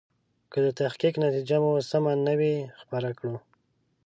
که د تحقیق نتیجه مو سمه نه وي خپره کړو.